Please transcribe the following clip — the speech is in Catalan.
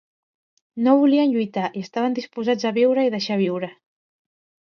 No volien lluitar, i estaven disposats a viure i deixar viure